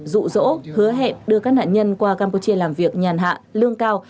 dụ dỗ hứa hẹn đưa các nạn nhân qua campuchia làm việc nhàn hạ lương cao